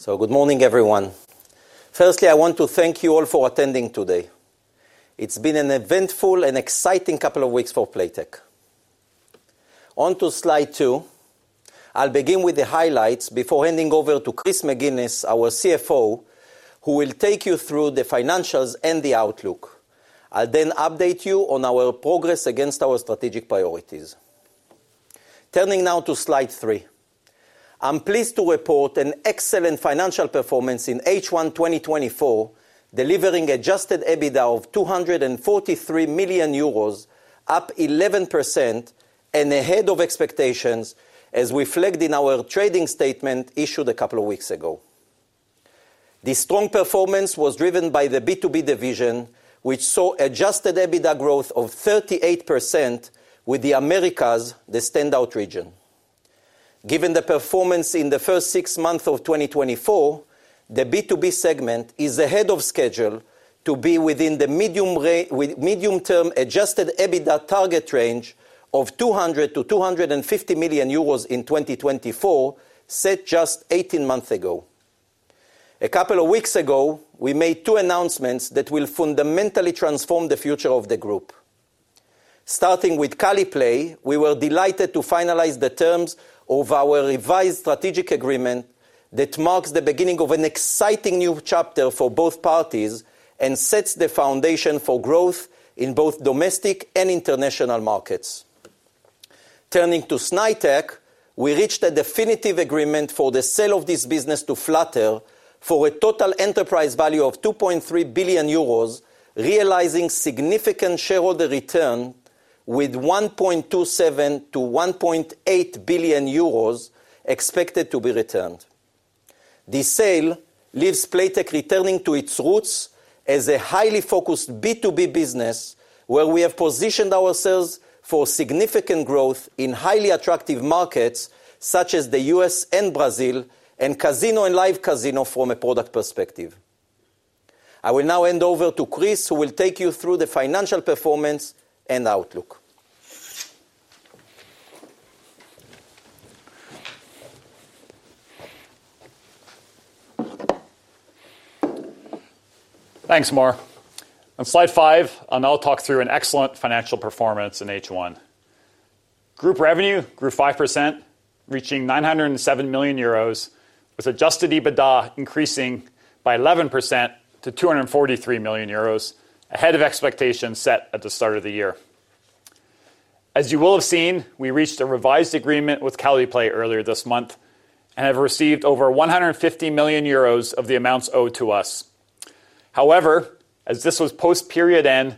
So good morning, everyone. Firstly, I want to thank you all for attending today. It's been an eventful and exciting couple of weeks for Playtech. On to slide two. I'll begin with the highlights before handing over to Chris McGuinness, our CFO, who will take you through the financials and the outlook. I'll then update you on our progress against our strategic priorities. Turning now to slide three. I'm pleased to report an excellent financial performance in H1 2024, delivering Adjusted EBITDA of 243 million euros, up 11% and ahead of expectations, as we flagged in our trading statement issued a couple of weeks ago. This strong performance was driven by the B2B division, which saw Adjusted EBITDA growth of 38% with the Americas, the standout region. Given the performance in the first six months of 2024, the B2B segment is ahead of schedule to be within the medium-term Adjusted EBITDA target range of 200-250 million euros in 2024, set just eighteen months ago. A couple of weeks ago, we made two announcements that will fundamentally transform the future of the group. Starting with Caliplay, we were delighted to finalize the terms of our revised strategic agreement that marks the beginning of an exciting new chapter for both parties and sets the foundation for growth in both domestic and international markets. Turning to Snaitech, we reached a definitive agreement for the sale of this business to Flutter for a total enterprise value of 2.3 billion euros, realizing significant shareholder return, with 1.27-1.8 billion euros expected to be returned. The sale leaves Playtech returning to its roots as a highly focused B2B business, where we have positioned ourselves for significant growth in highly attractive markets such as the U.S. and Brazil, and casino and live casino from a product perspective. I will now hand over to Chris, who will take you through the financial performance and outlook. Thanks, Mor. On slide five, and I'll talk through an excellent financial performance in H1. Group revenue grew 5%, reaching 907 million euros, with adjusted EBITDA increasing by 11% to 243 million euros, ahead of expectations set at the start of the year. As you will have seen, we reached a revised agreement with Caliplay earlier this month and have received over 150 million euros of the amounts owed to us. However, as this was post-period end,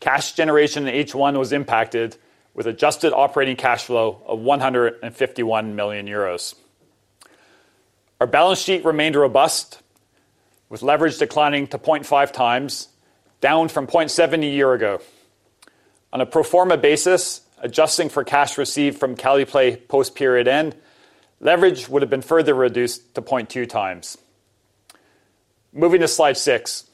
cash generation in H1 was impacted with adjusted operating cash flow of 151 million euros. Our balance sheet remained robust, with leverage declining to 0.5 times, down from 0.7 a year ago. On a pro forma basis, adjusting for cash received from Caliplay post-period end, leverage would have been further reduced to 0.2 times. Moving to slide six.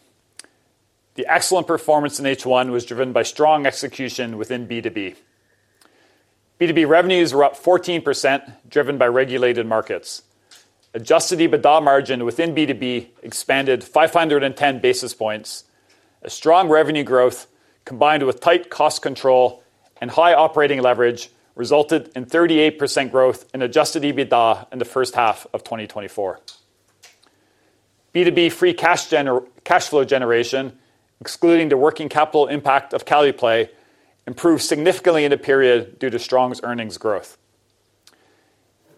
The excellent performance in H1 was driven by strong execution within B2B. B2B revenues were up 14%, driven by regulated markets. Adjusted EBITDA margin within B2B expanded 510 basis points. A strong revenue growth, combined with tight cost control and high operating leverage, resulted in 38% growth in adjusted EBITDA in the first half of 2024. B2B free cash flow generation, excluding the working capital impact of Caliplay, improved significantly in the period due to strong earnings growth.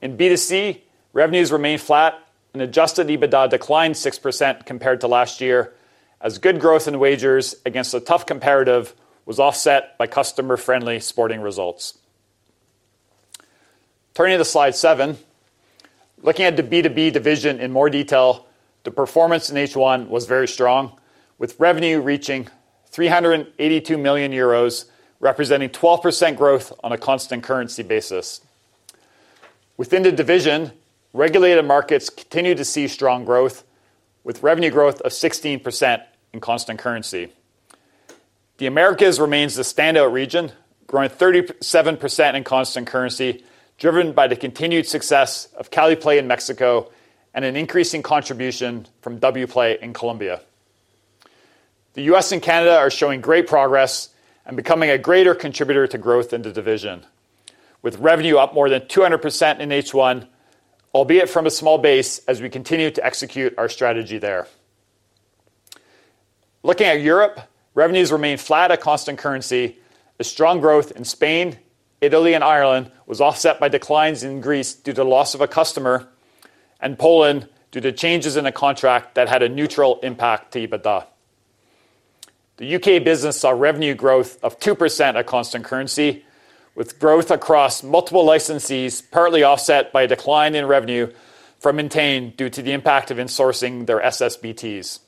In B2C, revenues remained flat and adjusted EBITDA declined 6% compared to last year, as good growth in wagers against a tough comparative was offset by customer-friendly sporting results. Turning to slide seven. Looking at the B2B division in more detail, the performance in H1 was very strong, with revenue reaching 382 million euros, representing 12% growth on a constant currency basis. Within the division, regulated markets continued to see strong growth, with revenue growth of 16% in constant currency. The Americas remains the standout region, growing 37% in constant currency, driven by the continued success of Caliplay in Mexico and an increasing contribution from Wplay in Colombia. The US and Canada are showing great progress and becoming a greater contributor to growth in the division, with revenue up more than 200% in H1, albeit from a small base as we continue to execute our strategy there. Looking at Europe, revenues remained flat at constant currency. The strong growth in Spain, Italy, and Ireland was offset by declines in Greece due to loss of a customer, and Poland, due to changes in a contract that had a neutral impact to EBITDA. The U.K. business saw revenue growth of 2% at constant currency, with growth across multiple licensees, partly offset by a decline in revenue from Entain due to the impact of insourcing their SSBTs.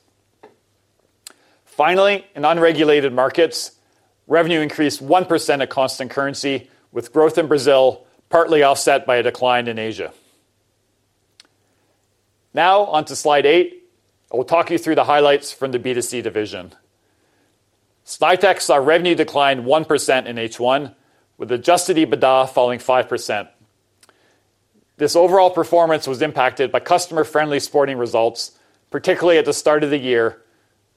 Finally, in unregulated markets, revenue increased 1% at constant currency, with growth in Brazil partly offset by a decline in Asia. Now on to slide eight. I will talk you through the highlights from the B2C division. Snaitech saw revenue declined 1% in H1, with adjusted EBITDA falling 5%. This overall performance was impacted by customer-friendly sporting results, particularly at the start of the year,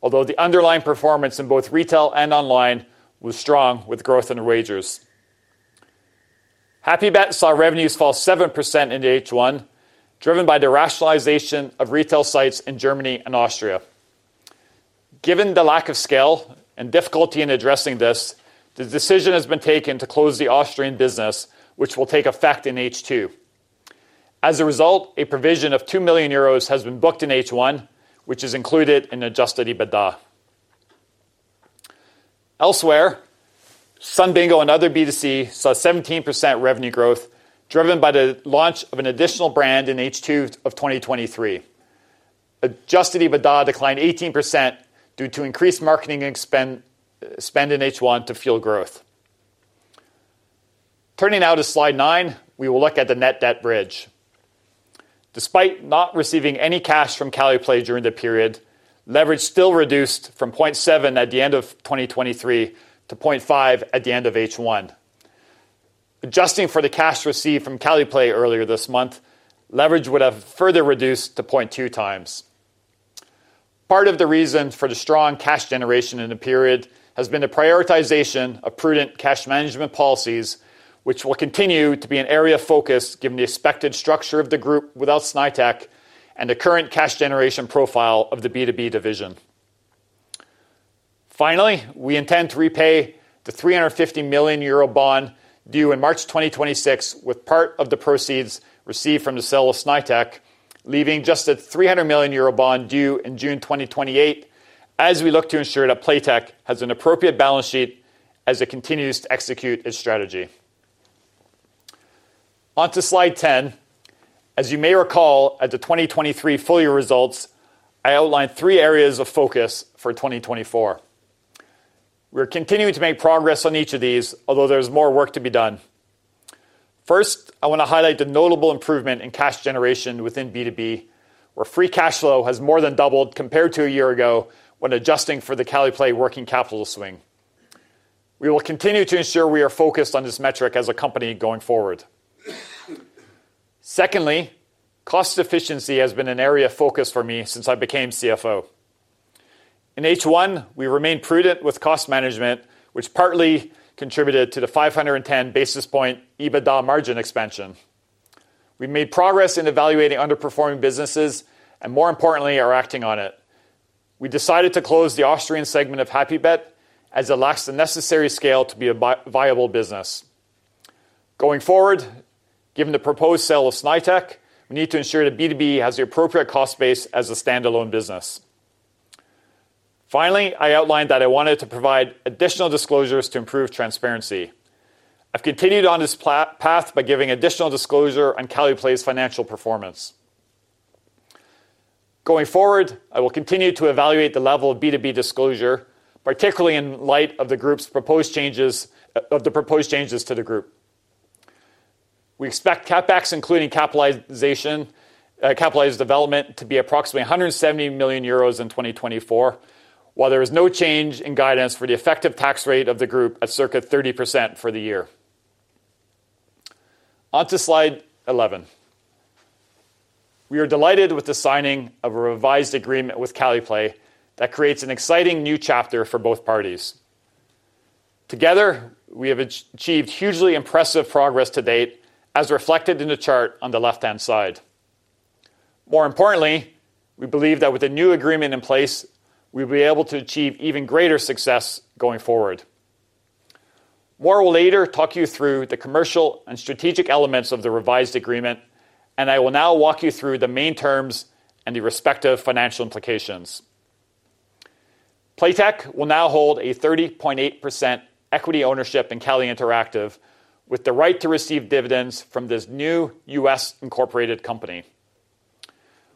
although the underlying performance in both retail and online was strong, with growth in wagers. HappyBet saw revenues fall 7% in H1, driven by the rationalization of retail sites in Germany and Austria. Given the lack of scale and difficulty in addressing this, the decision has been taken to close the Austrian business, which will take effect in H2. As a result, a provision of 2 million euros has been booked in H1, which is included in adjusted EBITDA. Elsewhere, Sun Bingo and other B2C saw 17% revenue growth, driven by the launch of an additional brand in H2 of 2023. Adjusted EBITDA declined 18% due to increased marketing spend in H1 to fuel growth. Turning now to slide nine, we will look at the net debt bridge. Despite not receiving any cash from Caliplay during the period, leverage still reduced from 0.7 at the end of 2023 to 0.5 at the end of H1. Adjusting for the cash received from Caliplay earlier this month, leverage would have further reduced to 0.2 times. Part of the reason for the strong cash generation in the period has been the prioritization of prudent cash management policies, which will continue to be an area of focus, given the expected structure of the group without Snaitech and the current cash generation profile of the B2B division. Finally, we intend to repay the 350 million euro bond due in March 2026, with part of the proceeds received from the sale of Snaitech, leaving just a 300 million euro bond due in June 2028, as we look to ensure that Playtech has an appropriate balance sheet as it continues to execute its strategy. On to slide 10. As you may recall, at the 2023 full year results, I outlined three areas of focus for 2024. We are continuing to make progress on each of these, although there's more work to be done. First, I want to highlight the notable improvement in cash generation within B2B, where free cash flow has more than doubled compared to a year ago when adjusting for the Caliplay working capital swing. We will continue to ensure we are focused on this metric as a company going forward. Secondly, cost efficiency has been an area of focus for me since I became CFO. In H1, we remained prudent with cost management, which partly contributed to the 510 basis points EBITDA margin expansion. We made progress in evaluating underperforming businesses, and more importantly, are acting on it. We decided to close the Austrian segment of HappyBet as it lacks the necessary scale to be a viable business. Going forward, given the proposed sale of Snaitech, we need to ensure that B2B has the appropriate cost base as a standalone business. Finally, I outlined that I wanted to provide additional disclosures to improve transparency. I've continued on this path by giving additional disclosure on Caliplay's financial performance. Going forward, I will continue to evaluate the level of B2B disclosure, particularly in light of the proposed changes to the group. We expect CapEx, including capitalization, capitalized development, to be approximately 170 million euros in 2024, while there is no change in guidance for the effective tax rate of the group at circa 30% for the year. On to slide 11. We are delighted with the signing of a revised agreement with Caliplay that creates an exciting new chapter for both parties. Together, we have achieved hugely impressive progress to date, as reflected in the chart on the left-hand side. More importantly, we believe that with the new agreement in place, we'll be able to achieve even greater success going forward. Moore will later talk you through the commercial and strategic elements of the revised agreement, and I will now walk you through the main terms and the respective financial implications. Playtech will now hold a 30.8% equity ownership in Cali Interactive, with the right to receive dividends from this new U.S.-incorporated company.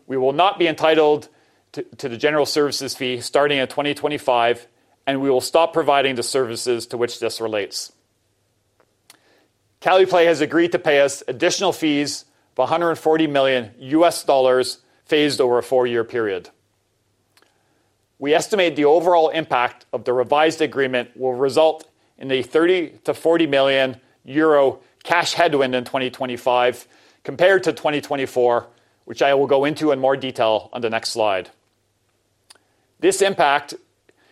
We will not be entitled to the general services fee starting in 2025, and we will stop providing the services to which this relates. Caliplay has agreed to pay us additional fees of $140 million, phased over a four-year period. We estimate the overall impact of the revised agreement will result in a 30-40 million euro cash headwind in 2025 compared to 2024, which I will go into in more detail on the next slide. This impact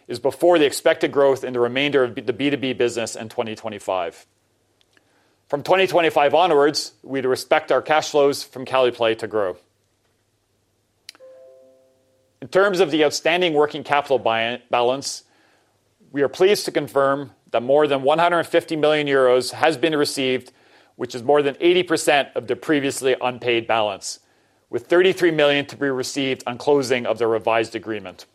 is before the expected growth in the remainder of the B2B business in 2025. From 2025 onwards, we'd expect our cash flows from Caliplay to grow. In terms of the outstanding working capital balance, we are pleased to confirm that more than 150 million euros has been received, which is more than 80% of the previously unpaid balance, with 33 million to be received on closing of the revised agreement.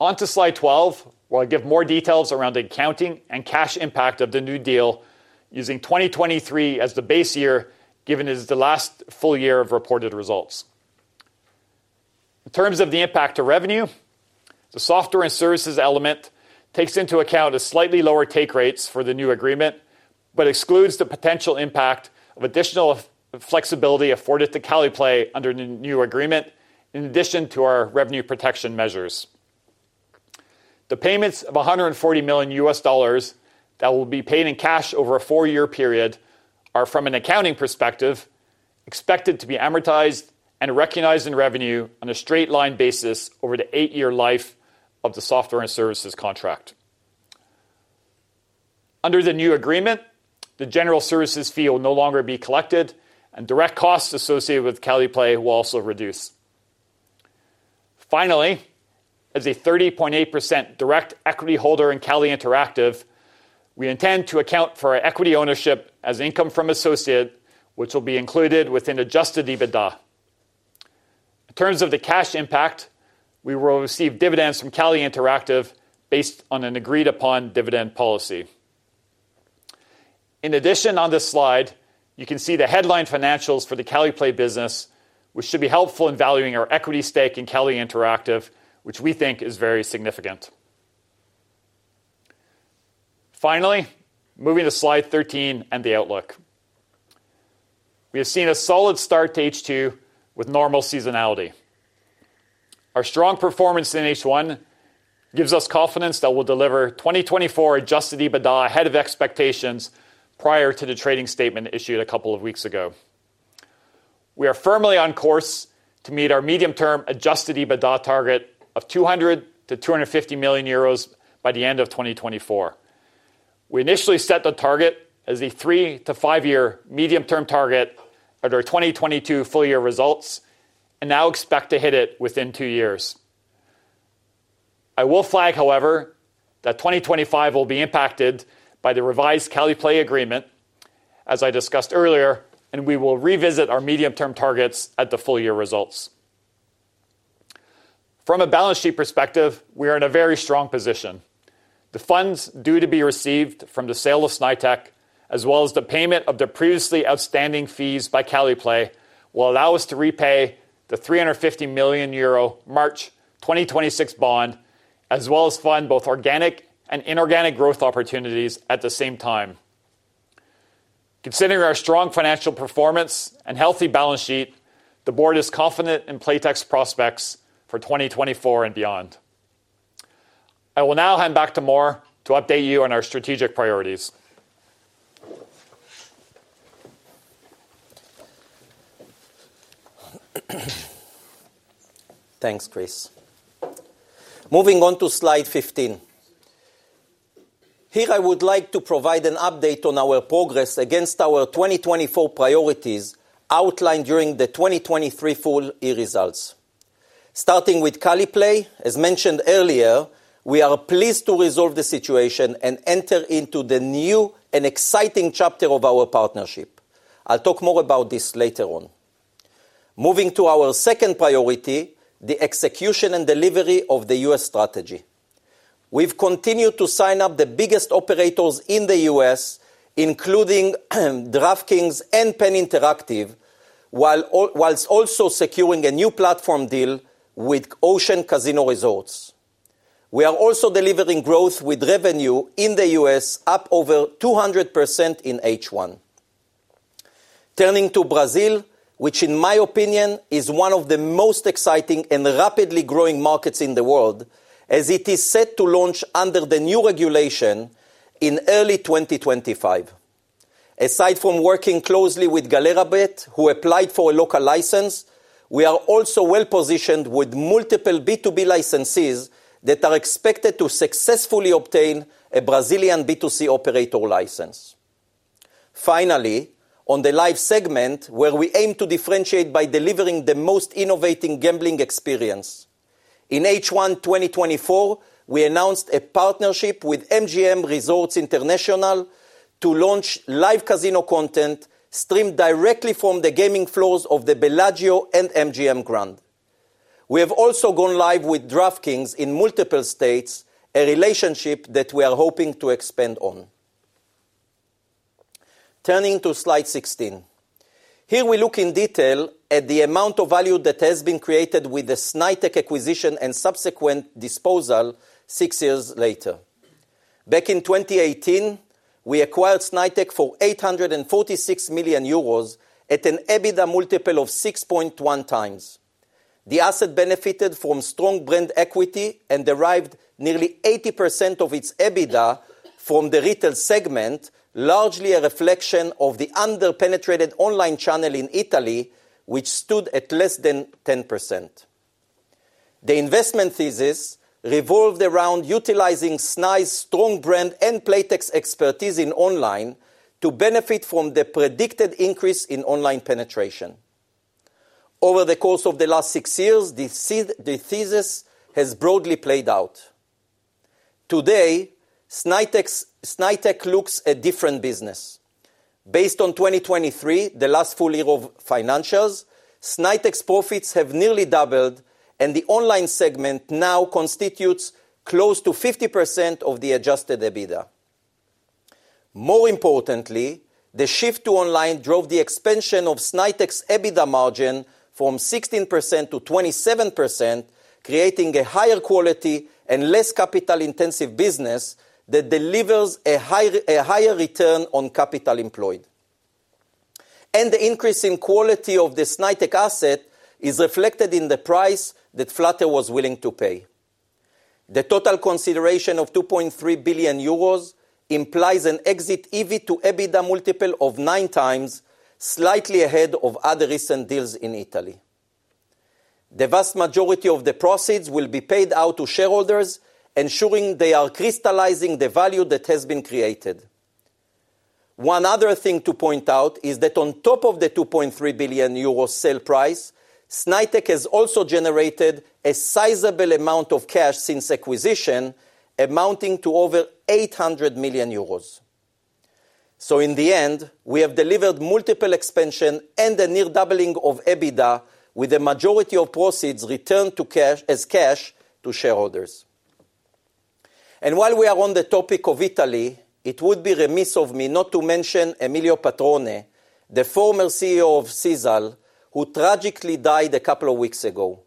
On to slide 12, where I'll give more details around the accounting and cash impact of the new deal, using 2023 as the base year, given it is the last full year of reported results. In terms of the impact to revenue, the software and services element takes into account a slightly lower take rates for the new agreement... but excludes the potential impact of additional flexibility afforded to Caliplay under the new agreement, in addition to our revenue protection measures. The payments of $140 million that will be paid in cash over a four-year period are, from an accounting perspective, expected to be amortized and recognized in revenue on a straight line basis over the eight-year life of the software and services contract. Under the new agreement, the general services fee will no longer be collected, and direct costs associated with Caliplay will also reduce. Finally, as a 30.8% direct equity holder in Cali Interactive, we intend to account for our equity ownership as income from associate, which will be included within adjusted EBITDA. In terms of the cash impact, we will receive dividends from Cali Interactive based on an agreed-upon dividend policy. In addition, on this slide, you can see the headline financials for the Caliplay business, which should be helpful in valuing our equity stake in Cali Interactive, which we think is very significant. Finally, moving to slide 13 and the outlook. We have seen a solid start to H2 with normal seasonality. Our strong performance in H1 gives us confidence that we'll deliver 2024 adjusted EBITDA ahead of expectations prior to the trading statement issued a couple of weeks ago. We are firmly on course to meet our medium-term adjusted EBITDA target of 200-250 million euros by the end of 2024. We initially set the target as a 3- to 5-year medium-term target at our 2022 full-year results, and now expect to hit it within two years. I will flag, however, that 2025 will be impacted by the revised Caliplay agreement, as I discussed earlier, and we will revisit our medium-term targets at the full year results. From a balance sheet perspective, we are in a very strong position. The funds due to be received from the sale of Snaitech, as well as the payment of the previously outstanding fees by Caliplay, will allow us to repay the 350 million euro March 2026 bond, as well as fund both organic and inorganic growth opportunities at the same time. Considering our strong financial performance and healthy balance sheet, the board is confident in Playtech's prospects for 2024 and beyond. I will now hand back to Mor to update you on our strategic priorities. Thanks, Chris. Moving on to slide 15. Here, I would like to provide an update on our progress against our 2024 priorities outlined during the 2023 full year results. Starting with Caliplay, as mentioned earlier, we are pleased to resolve the situation and enter into the new and exciting chapter of our partnership. I'll talk more about this later on. Moving to our second priority, the execution and delivery of the U.S. strategy. We've continued to sign up the biggest operators in the U.S., including DraftKings and Penn Interactive, while also securing a new platform deal with Ocean Casino Resort. We are also delivering growth, with revenue in the U.S. up over 200% in H1. Turning to Brazil, which in my opinion, is one of the most exciting and rapidly growing markets in the world, as it is set to launch under the new regulation in early twenty twenty-five. Aside from working closely with Galera Bet, who applied for a local license, we are also well-positioned with multiple B2B licenses that are expected to successfully obtain a Brazilian B2C operator license. Finally, on the live segment, where we aim to differentiate by delivering the most innovative gambling experience. In H1, twenty twenty-four, we announced a partnership with MGM Resorts International to launch live casino content streamed directly from the gaming floors of the Bellagio and MGM Grand. We have also gone live with DraftKings in multiple states, a relationship that we are hoping to expand on. Turning to slide 16. Here we look in detail at the amount of value that has been created with the Snaitech acquisition and subsequent disposal six years later. Back in 2018, we acquired Snaitech for 846 million euros at an EBITDA multiple of 6.1 times. The asset benefited from strong brand equity and derived nearly 80% of its EBITDA from the retail segment, largely a reflection of the under-penetrated online channel in Italy, which stood at less than 10%. The investment thesis revolved around utilizing Snaitech's strong brand and Playtech's expertise in online to benefit from the predicted increase in online penetration. Over the course of the last six years, the thesis has broadly played out. Today, Snaitech looks a different business. Based on 2023, the last full year of financials, Snaitech's profits have nearly doubled, and the online segment now constitutes close to 50% of the adjusted EBITDA. More importantly. The shift to online drove the expansion of Snaitech's EBITDA margin from 16% to 27%, creating a higher quality and less capital-intensive business that delivers a higher return on capital employed. And the increase in quality of the Snaitech asset is reflected in the price that Flutter was willing to pay. The total consideration of 2.3 billion euros implies an exit EV to EBITDA multiple of nine times, slightly ahead of other recent deals in Italy. The vast majority of the proceeds will be paid out to shareholders, ensuring they are crystallizing the value that has been created. One other thing to point out is that on top of the 2.3 billion euro sale price, Snaitech has also generated a sizable amount of cash since acquisition, amounting to over 800 million euros. So in the end, we have delivered multiple expansion and a near doubling of EBITDA, with the majority of proceeds returned as cash to shareholders. And while we are on the topic of Italy, it would be remiss of me not to mention Emilio Petrone, the former CEO of Sisal, who tragically died a couple of weeks ago.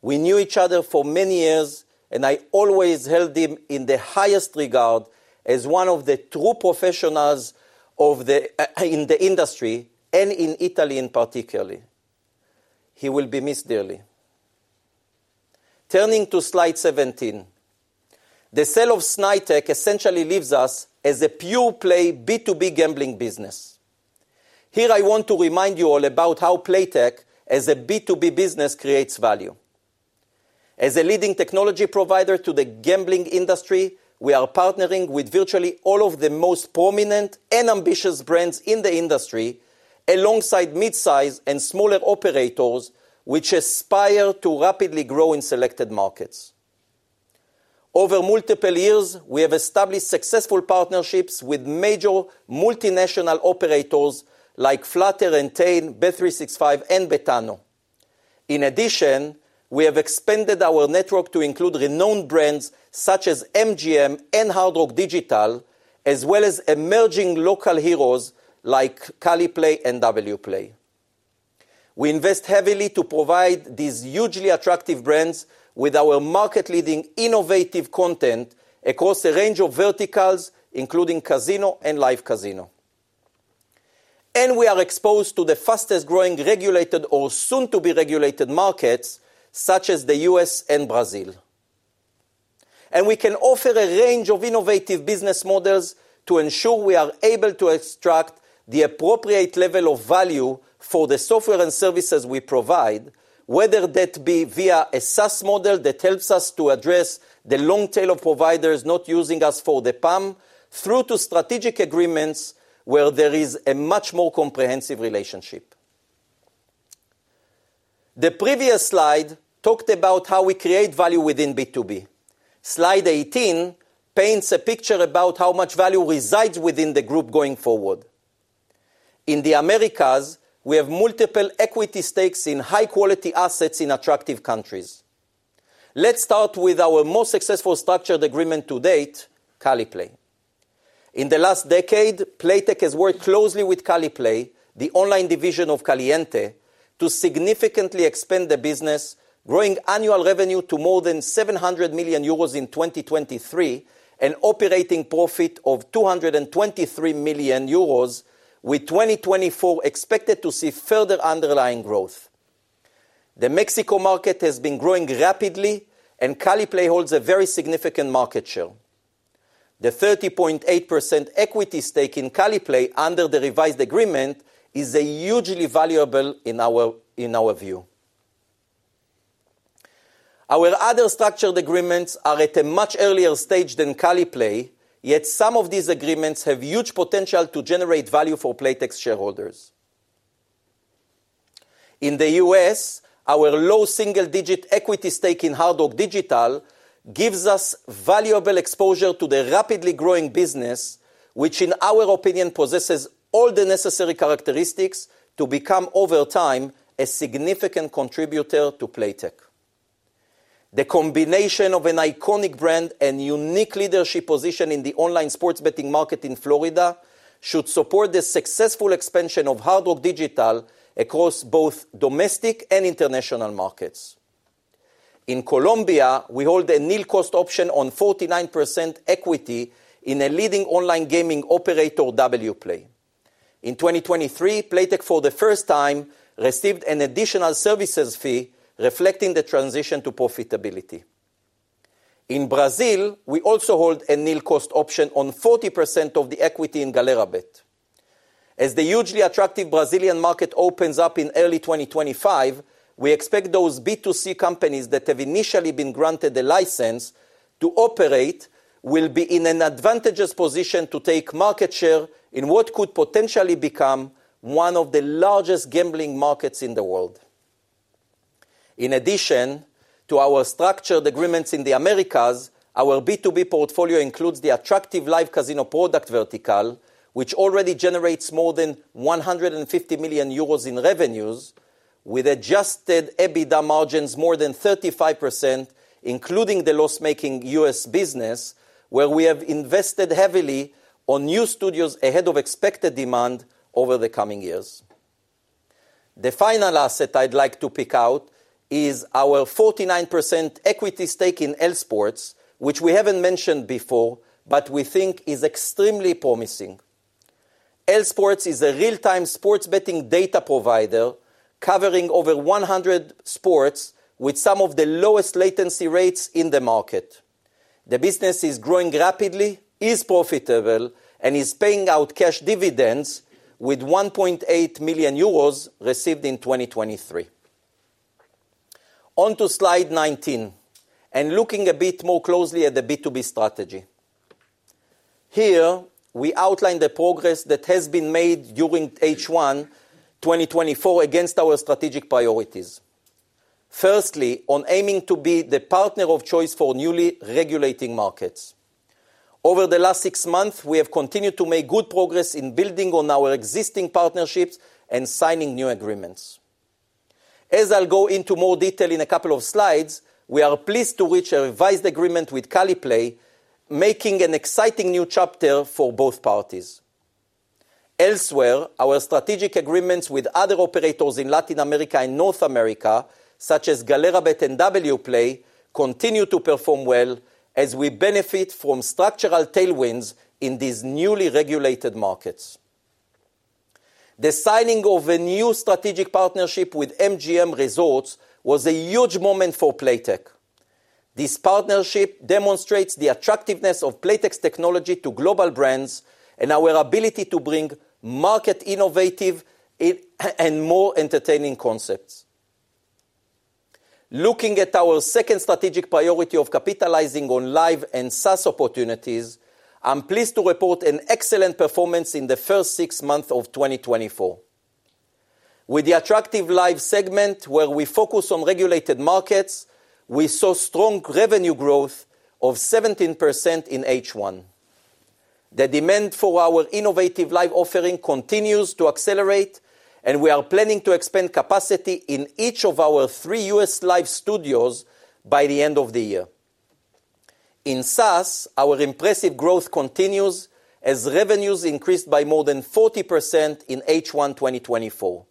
We knew each other for many years, and I always held him in the highest regard as one of the true professionals of the in the industry and in Italy in particular. He will be missed dearly. Turning to slide 17, the sale of Snaitech essentially leaves us as a pure-play B2B gambling business. Here, I want to remind you all about how Playtech, as a B2B business, creates value. As a leading technology provider to the gambling industry, we are partnering with virtually all of the most prominent and ambitious brands in the industry, alongside mid-size and smaller operators, which aspire to rapidly grow in selected markets. Over multiple years, we have established successful partnerships with major multinational operators like Flutter Entertainment, Bet365, and Betano. In addition, we have expanded our network to include renowned brands such as MGM and Hard Rock Digital, as well as emerging local heroes like Caliplay and Wplay. We invest heavily to provide these hugely attractive brands with our market-leading innovative content across a range of verticals, including casino and live casino. We are exposed to the fastest-growing regulated or soon-to-be-regulated markets, such as the U.S. and Brazil. We can offer a range of innovative business models to ensure we are able to extract the appropriate level of value for the software and services we provide, whether that be via a SaaS model that helps us to address the long tail of providers not using us for the PAL, through to strategic agreements, where there is a much more comprehensive relationship. The previous slide talked about how we create value within B2B. Slide 18 paints a picture about how much value resides within the group going forward. In the Americas, we have multiple equity stakes in high-quality assets in attractive countries. Let's start with our most successful structured agreement to date, Caliplay. In the last decade, Playtech has worked closely with Caliplay, the online division of Caliente, to significantly expand the business, growing annual revenue to more than 700 million euros in 2023, and operating profit of 223 million euros, with 2024 expected to see further underlying growth. The Mexico market has been growing rapidly, and Caliplay holds a very significant market share. The 30.8% equity stake in Caliplay under the revised agreement is a hugely valuable in our view. Our other structured agreements are at a much earlier stage than Caliplay, yet some of these agreements have huge potential to generate value for Playtech's shareholders. In the US, our low single-digit equity stake in Hard Rock Digital gives us valuable exposure to the rapidly growing business, which, in our opinion, possesses all the necessary characteristics to become, over time, a significant contributor to Playtech. The combination of an iconic brand and unique leadership position in the online sports betting market in Florida should support the successful expansion of Hard Rock Digital across both domestic and international markets. In Colombia, we hold a nil-cost option on 49% equity in a leading online gaming operator, WPlay. In 2023, Playtech, for the first time, received an additional services fee reflecting the transition to profitability. In Brazil, we also hold a nil-cost option on 40% of the equity in Galera Bet. As the hugely attractive Brazilian market opens up in early 2025, we expect those B2C companies that have initially been granted a license to operate will be in an advantageous position to take market share in what could potentially become one of the largest gambling markets in the world. In addition to our structured agreements in the Americas, our B2B portfolio includes the attractive live casino product vertical, which already generates more than 150 million euros in revenues with adjusted EBITDA margins more than 35%, including the loss-making US business, where we have invested heavily on new studios ahead of expected demand over the coming years. The final asset I'd like to pick out is our 49% equity stake in LSports, which we haven't mentioned before, but we think is extremely promising. LSports is a real-time sports betting data provider, covering over 100 sports with some of the lowest latency rates in the market. The business is growing rapidly, is profitable, and is paying out cash dividends, with 1.8 million euros received in 2023. On to Slide 19, and looking a bit more closely at the B2B strategy. Here, we outline the progress that has been made during H1 2024, against our strategic priorities. Firstly, on aiming to be the partner of choice for newly regulating markets. Over the last six months, we have continued to make good progress in building on our existing partnerships and signing new agreements. As I'll go into more detail in a couple of slides, we are pleased to reach a revised agreement with Caliplay, making an exciting new chapter for both parties. Elsewhere, our strategic agreements with other operators in Latin America and North America, such as Galera Bet and Wplay, continue to perform well as we benefit from structural tailwinds in these newly regulated markets. The signing of a new strategic partnership with MGM Resorts was a huge moment for Playtech. This partnership demonstrates the attractiveness of Playtech's technology to global brands and our ability to bring market innovative and more entertaining concepts. Looking at our second strategic priority of capitalizing on Live and SaaS opportunities, I'm pleased to report an excellent performance in the first six months of 2024. With the attractive Live segment, where we focus on regulated markets, we saw strong revenue growth of 17% in H1. The demand for our innovative Live offering continues to accelerate, and we are planning to expand capacity in each of our three US Live studios by the end of the year. In SaaS, our impressive growth continues as revenues increased by more than 40% in H1 2024.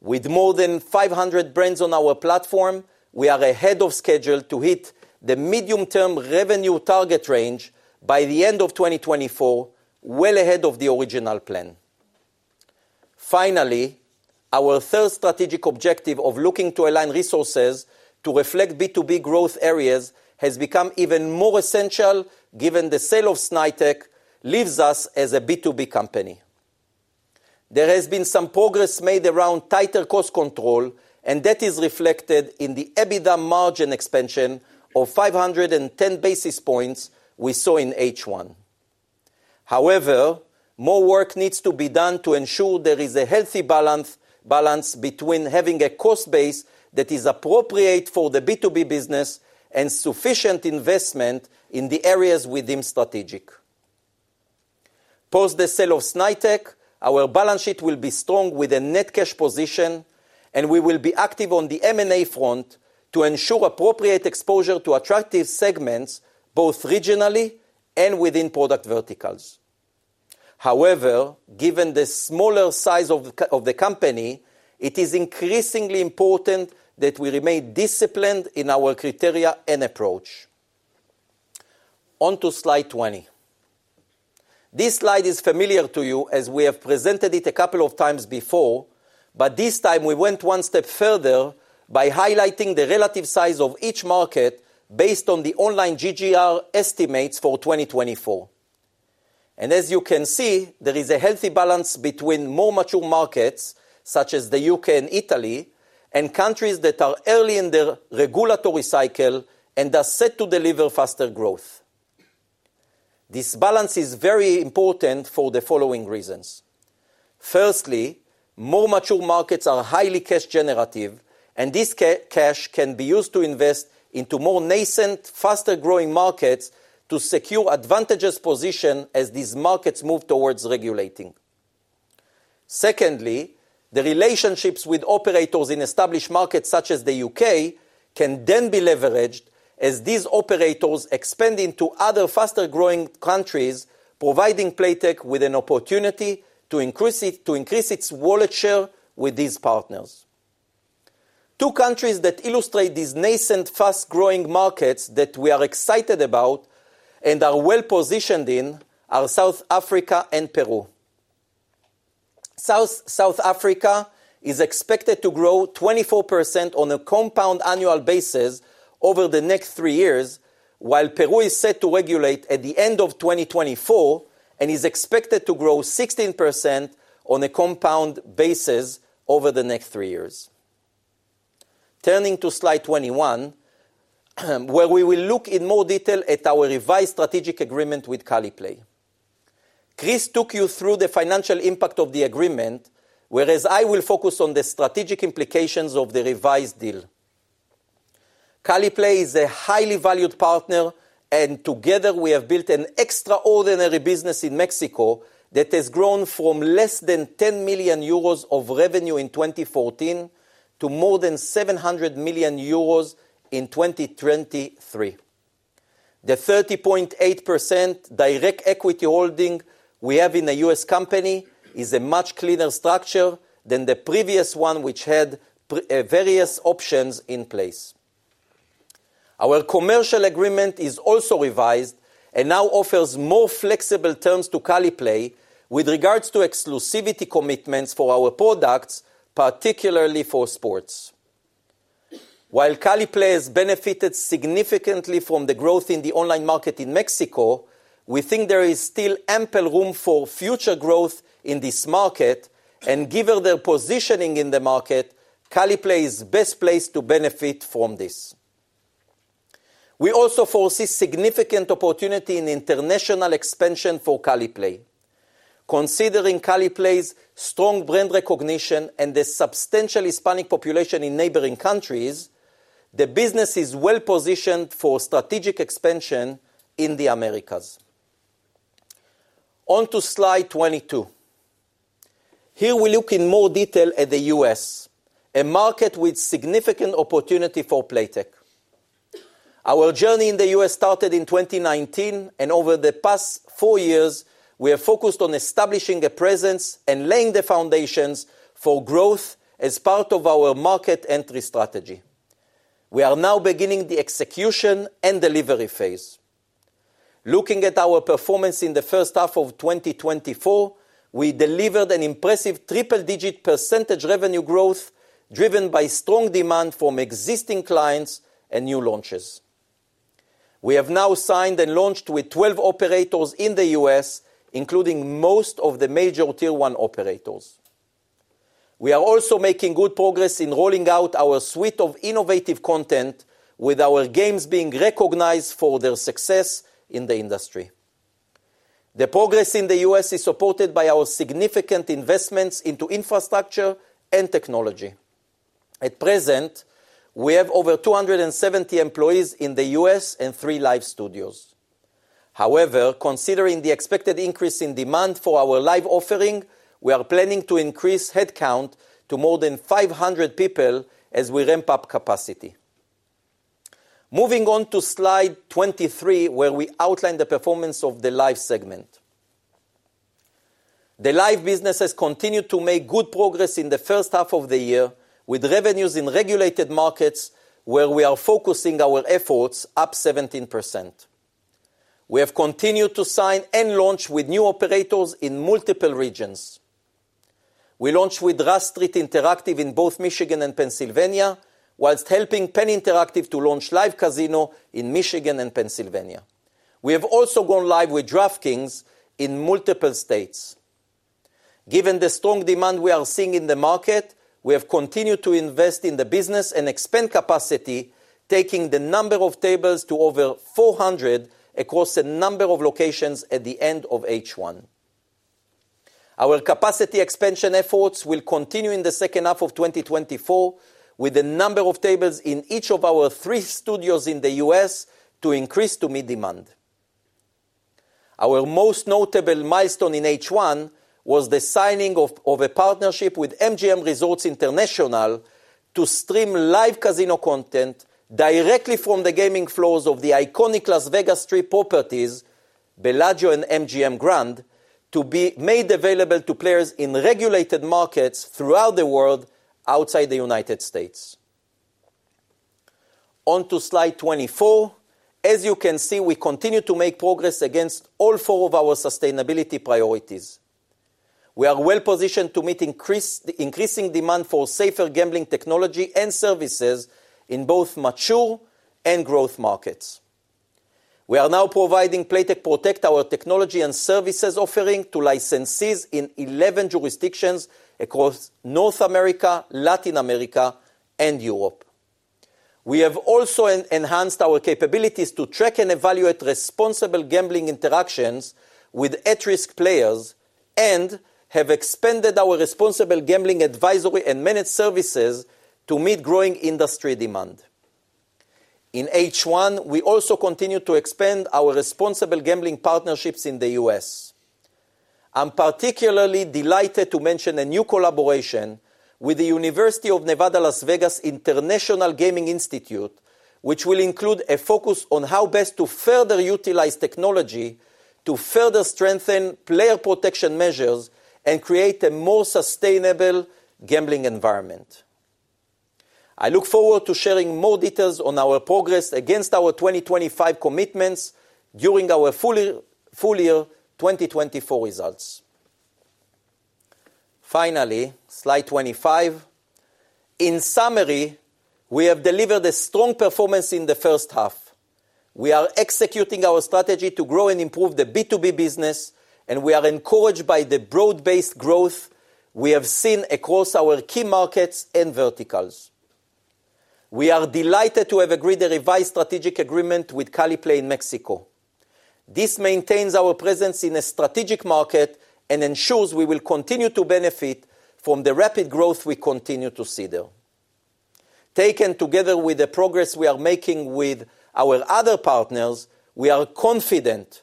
With more than 500 brands on our platform, we are ahead of schedule to hit the medium-term revenue target range by the end of 2024, well ahead of the original plan. Finally, our third strategic objective of looking to align resources to reflect B2B growth areas has become even more essential, given the sale of Snaitech leaves us as a B2B company. There has been some progress made around tighter cost control, and that is reflected in the EBITDA margin expansion of 510 basis points we saw in H1. However, more work needs to be done to ensure there is a healthy balance between having a cost base that is appropriate for the B2B business and sufficient investment in the areas we deem strategic. Post the sale of Snaitech, our balance sheet will be strong with a net cash position, and we will be active on the M&A front to ensure appropriate exposure to attractive segments, both regionally and within product verticals. However, given the smaller size of the company, it is increasingly important that we remain disciplined in our criteria and approach. On to Slide 20. This slide is familiar to you, as we have presented it a couple of times before, but this time we went one step further by highlighting the relative size of each market based on the online GGR estimates for 2024. As you can see, there is a healthy balance between more mature markets, such as the UK and Italy, and countries that are early in their regulatory cycle and are set to deliver faster growth. This balance is very important for the following reasons: firstly, more mature markets are highly cash generative, and this cash can be used to invest into more nascent, faster-growing markets to secure advantageous position as these markets move towards regulating. Secondly, the relationships with operators in established markets such as the UK can then be leveraged as these operators expand into other faster-growing countries, providing Playtech with an opportunity to increase its wallet share with these partners. Two countries that illustrate these nascent, fast-growing markets that we are excited about and are well-positioned in are South Africa and Peru. South Africa is expected to grow 24% on a compound annual basis over the next three years, while Peru is set to regulate at the end of 2024 and is expected to grow 16% on a compound basis over the next three years. Turning to Slide 21, where we will look in more detail at our revised strategic agreement with Caliplay. Chris took you through the financial impact of the agreement, whereas I will focus on the strategic implications of the revised deal. Caliplay is a highly valued partner, and together we have built an extraordinary business in Mexico that has grown from less than 10 million euros of revenue in 2014 to more than 700 million euros in 2023. The 30.8% direct equity holding we have in the US company is a much cleaner structure than the previous one, which had various options in place. Our commercial agreement is also revised and now offers more flexible terms to Caliplay with regards to exclusivity commitments for our products, particularly for sports. While Caliplay has benefited significantly from the growth in the online market in Mexico, we think there is still ample room for future growth in this market, and given their positioning in the market, Caliplay is best placed to benefit from this. We also foresee significant opportunity in international expansion for Caliplay. Considering Caliplay's strong brand recognition and the substantial Hispanic population in neighboring countries, the business is well-positioned for strategic expansion in the Americas. On to Slide 22. Here we look in more detail at the U.S., a market with significant opportunity for Playtech. Our journey in the U.S. started in 2019, and over the past four years, we have focused on establishing a presence and laying the foundations for growth as part of our market entry strategy. We are now beginning the execution and delivery phase. Looking at our performance in the first half of 2024, we delivered an impressive triple-digit % revenue growth, driven by strong demand from existing clients and new launches. We have now signed and launched with 12 operators in the U.S., including most of the major Tier One operators. We are also making good progress in rolling out our suite of innovative content, with our games being recognized for their success in the industry. The progress in the U.S. is supported by our significant investments into infrastructure and technology. At present, we have over 270 employees in the U.S. and three live studios. However, considering the expected increase in demand for our live offering, we are planning to increase headcount to more than 500 people as we ramp up capacity. Moving on to Slide 23, where we outline the performance of the Live segment. The Live business has continued to make good progress in the first half of the year, with revenues in regulated markets, where we are focusing our efforts up 17%. We have continued to sign and launch with new operators in multiple regions. We launched with Rush Street Interactive in both Michigan and Pennsylvania, whilst helping Penn Interactive to launch live casino in Michigan and Pennsylvania. We have also gone live with DraftKings in multiple states. Given the strong demand we are seeing in the market, we have continued to invest in the business and expand capacity, taking the number of tables to over 400 across a number of locations at the end of H1. Our capacity expansion efforts will continue in the second half of 2024, with the number of tables in each of our three studios in the U.S. to increase to meet demand. Our most notable milestone in H1 was the signing of a partnership with MGM Resorts International to stream live casino content directly from the gaming floors of the iconic Las Vegas Strip properties, Bellagio and MGM Grand, to be made available to players in regulated markets throughout the world, outside the United States. On to Slide 24. As you can see, we continue to make progress against all four of our sustainability priorities. We are well positioned to meet increasing demand for safer gambling technology and services in both mature and growth markets. We are now providing Playtech Protect, our technology and services offering, to licensees in 11 jurisdictions across North America, Latin America, and Europe. We have also enhanced our capabilities to track and evaluate responsible gambling interactions with at-risk players and have expanded our responsible gambling advisory and managed services to meet growing industry demand. In H1, we also continued to expand our responsible gambling partnerships in the US. I'm particularly delighted to mention a new collaboration with the University of Nevada, Las Vegas International Gaming Institute, which will include a focus on how best to further utilize technology to further strengthen player protection measures and create a more sustainable gambling environment. I look forward to sharing more details on our progress against our 2025 commitments during our full year, full year 2024 results. Finally, Slide 25. In summary, we have delivered a strong performance in the first half. We are executing our strategy to grow and improve the B2B business, and we are encouraged by the broad-based growth we have seen across our key markets and verticals. We are delighted to have agreed a revised strategic agreement with Caliplay in Mexico. This maintains our presence in a strategic market and ensures we will continue to benefit from the rapid growth we continue to see there. Taken together with the progress we are making with our other partners, we are confident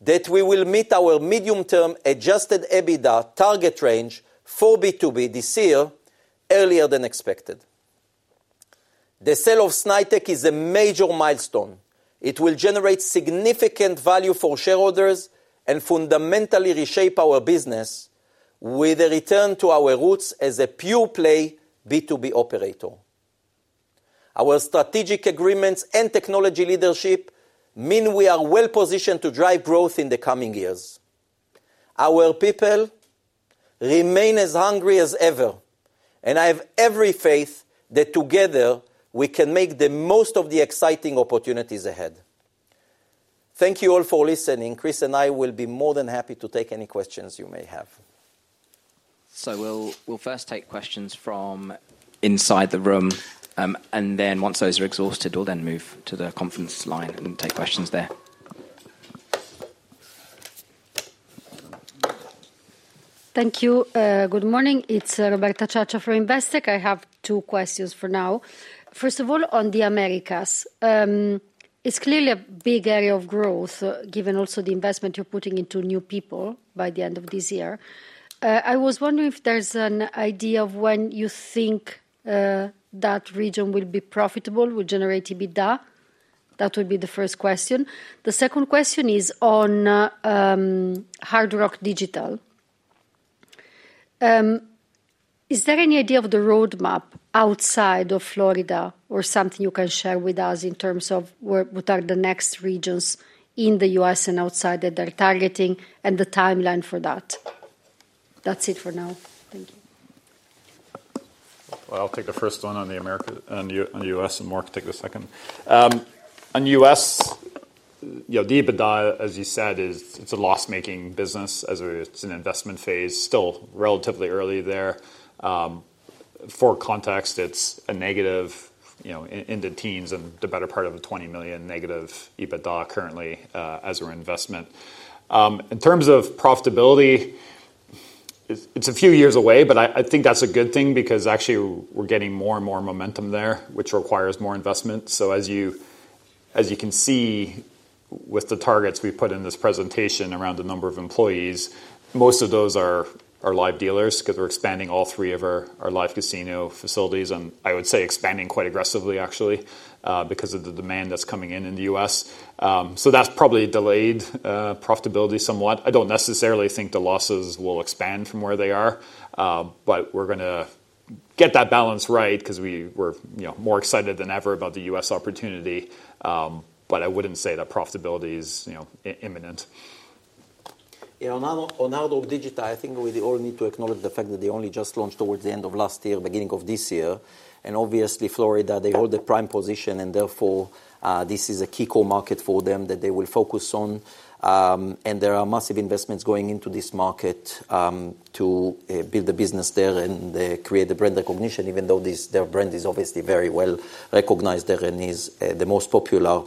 that we will meet our medium-term adjusted EBITDA target range for B2B this year, earlier than expected. The sale of Snaitech is a major milestone. It will generate significant value for shareholders and fundamentally reshape our business with a return to our roots as a pure-play B2B operator. Our strategic agreements and technology leadership mean we are well positioned to drive growth in the coming years. Our people remain as hungry as ever, and I have every faith that together, we can make the most of the exciting opportunities ahead. Thank you all for listening. Chris and I will be more than happy to take any questions you may have. So we'll first take questions from inside the room, and then once those are exhausted, we'll then move to the conference line and take questions there. Thank you. Good morning. It's Roberta Ciaccia from Investec. I have two questions for now. First of all, on the Americas. It's clearly a big area of growth, given also the investment you're putting into new people by the end of this year. I was wondering if there's an idea of when you think that region will be profitable, will generate EBITDA? That would be the first question. The second question is on Hard Rock Digital. Is there any idea of the roadmap outside of Florida or something you can share with us in terms of where what are the next regions in the US and outside that they're targeting and the timeline for that? That's it for now. Thank you. I'll take the first one on the Americas and U.S. on the U.S., and Mark can take the second. On U.S., you know, the EBITDA, as you said, is it's a loss-making business, as it's an investment phase, still relatively early there. For context, it's a negative, you know, in the teens and the better part of a twenty million negative EBITDA currently, as our investment. In terms of profitability, it's, it's a few years away, but I, I think that's a good thing because actually we're getting more and more momentum there, which requires more investment. So as you can see with the targets we put in this presentation around the number of employees, most of those are live dealers 'cause we're expanding all three of our live casino facilities, and I would say expanding quite aggressively, actually, because of the demand that's coming in in the US. So that's probably delayed profitability somewhat. I don't necessarily think the losses will expand from where they are, but we're gonna get that balance right 'cause we're, you know, more excited than ever about the US opportunity. But I wouldn't say that profitability is, you know, imminent. Yeah, on Hard Rock Digital, I think we all need to acknowledge the fact that they only just launched towards the end of last year, beginning of this year, and obviously, Florida, they hold a prime position, and therefore, this is a key core market for them that they will focus on. And there are massive investments going into this market, to build the business there and create the brand recognition, even though this, their brand is obviously very well-recognized there and is the most popular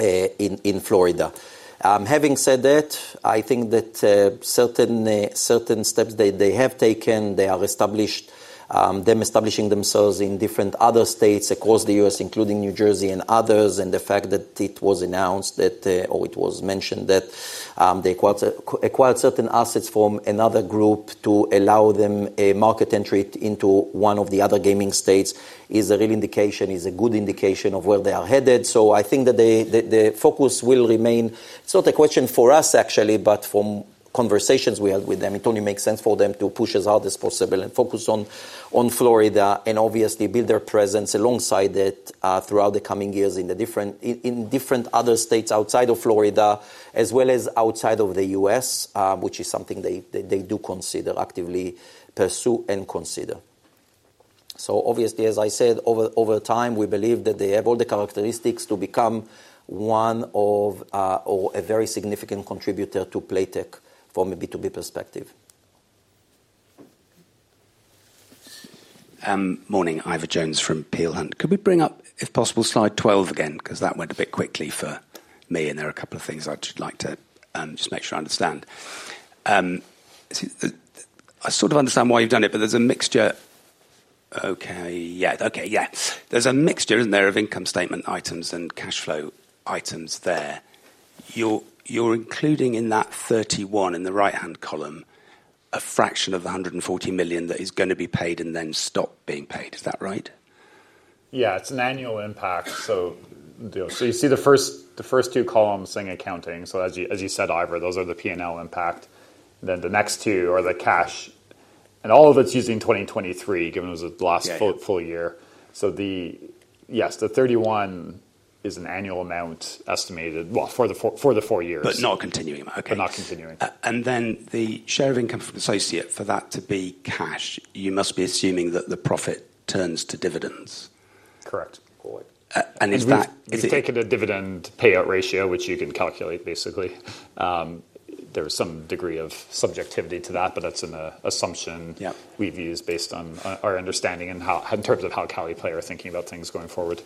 in Florida. Having said that, I think that certain steps they have taken. They have established themselves in different other states across the U.S., including New Jersey and others, and the fact that it was announced that or it was mentioned that they acquired certain assets from another group to allow them a market entry into one of the other gaming states is a real indication, is a good indication of where they are headed. So I think that the focus will remain. It's not a question for us, actually, but from conversations we had with them, it only makes sense for them to push as hard as possible and focus on Florida and obviously build their presence alongside it throughout the coming years in the different... In different other states outside of Florida, as well as outside of the US, which is something they do consider actively, pursue and consider. So obviously, as I said, over time, we believe that they have all the characteristics to become one of or a very significant contributor to Playtech from a B2B perspective. Morning, Ivor Jones from Peel Hunt. Could we bring up, if possible, slide 12 again? 'Cause that went a bit quickly for me, and there are a couple of things I'd just like to just make sure I understand. I sort of understand why you've done it, but there's a mixture in there of income statement items and cash flow items there. You're including in that 31 in the right-hand column, a fraction of the 140 million that is gonna be paid and then stop being paid. Is that right? Yeah, it's an annual impact. So, you know, so you see the first two columns saying accounting. So as you said, Ivor, those are the P&L impact, then the next two are the cash, and all of it's using 2023, given it was the last- Yeah Full year. So yes, the thirty-one is an annual amount estimated, well, for the four years. But not continuing. Okay. But not continuing. And then the share of income from associate, for that to be cash, you must be assuming that the profit turns to dividends. Correct. And is that- It's taking a dividend payout ratio, which you can calculate, basically. There is some degree of subjectivity to that, but that's an assumption- Yeah. We've used based on our understanding and how, in terms of how Caliplay are thinking about things going forward.